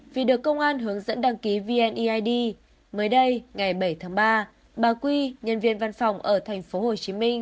vì được công an hướng dẫn đăng ký vneid mới đây ngày bảy tháng ba bà quy nhân viên văn phòng ở tp hcm